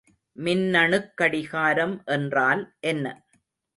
மின்னணுக் கடிகாரம் என்றால் என்ன?